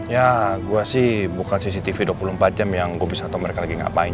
ya gue sih bukan cctv dua puluh empat jam yang gue bisa atau mereka lagi ngapain